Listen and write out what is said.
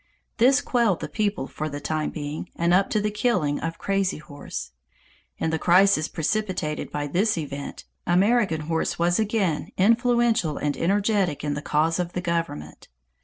This quelled the people for the time being and up to the killing of Crazy Horse. In the crisis precipitated by this event, American Horse was again influential and energetic in the cause of the government.